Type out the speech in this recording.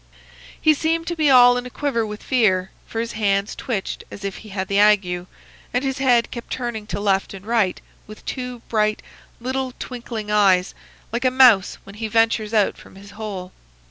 He seemed to be all in a quiver with fear, for his hands twitched as if he had the ague, and his head kept turning to left and right with two bright little twinkling eyes, like a mouse when he ventures out from his hole.